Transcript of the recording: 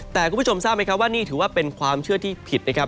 แต่คุณผู้ชมทราบไหมครับว่านี่ถือว่าเป็นความเชื่อที่ผิดนะครับ